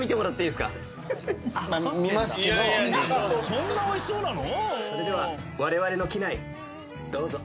そんなおいしそうなの？